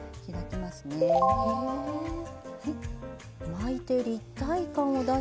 巻いて立体感を出して。